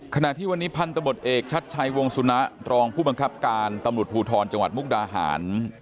ขณะที่วันนี้พันธบทเอกชัดชัยวงสุนะรองผู้บังคับการตำรวจภูทรจังหวัดมุกดาหาร